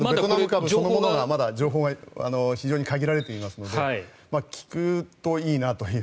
情報がまだ非常に限られていますので効くといいなという。